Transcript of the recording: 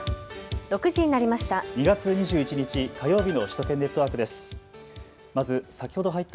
６時になりました。